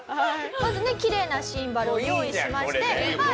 まずねきれいなシンバルを用意しまして。